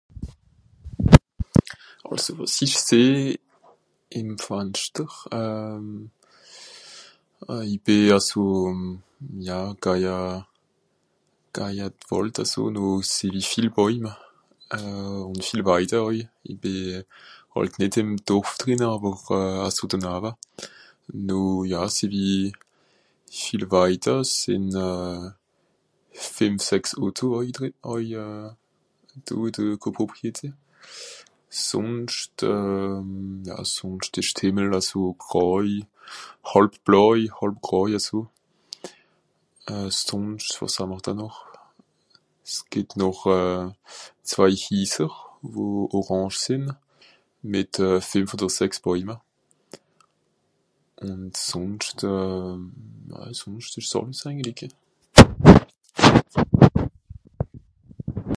Àlso wàs ìch seh ìn d'Fanschter, euh... euh i bì aso, ja, gaja, gaja d'Wàld aso noh seh-w-i viel Bàuima, euh... ùn viel Weide àui. I bì hàlt nìt ìm Dorf drìnne àwer e (...) nawe. Noh ja seh-w-i viel Weide, sìnn euh fìmf sechs Auto àui drii... àui euh do de Coprpopriété. Sùnscht euh... ja sùnscht ìsch d'Hìmmel aso groi, hàlb bloi hàb groi aso. Ùn sùnscht wàs hà'mr da noch ? Es gìtt noch zwei Hiser wo orange sìnn, mìt euh fìmf odder sechs bàuima. Ùn sùnscht euh... bah sùnscht ìsch's àlles eigentli.